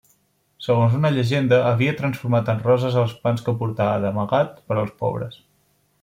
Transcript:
Segons una llegenda, havia transformat en roses els pans que portava, d'amagat, per als pobres.